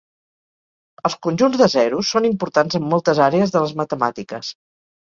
Els conjunts de zeros són importants en moltes àrees de les matemàtiques.